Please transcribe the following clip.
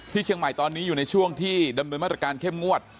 เชียงใหม่ตอนนี้อยู่ในช่วงที่ดำเนินมาตรการเข้มงวด